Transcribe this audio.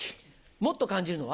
もっと感じるのは？